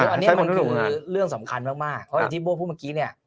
อันนี้มันคือเรื่องสำคัญมากเพราะอย่างที่โบ้พูดเมื่อกี้เนี่ย